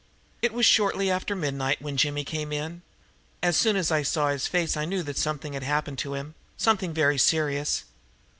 It was shortly after midnight when Jimmy came in. As soon as I saw his face I knew that something had happened to him, something very serious.